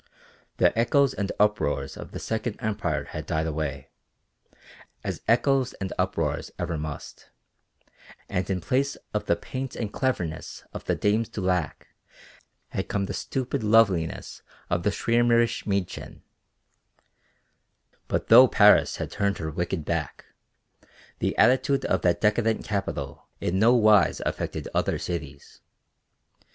The echoes and uproars of the Second Empire had died away, as echoes and uproars ever must, and in place of the paint and cleverness of the dames du lac had come the stupid loveliness of the schwärmerisch Mädchen. But though Paris had turned her wicked back, the attitude of that decadent capital in no wise affected other cities.